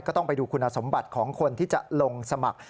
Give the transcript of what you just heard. ต้องไปดูคุณสมบัติของคนที่จะลงสมัคร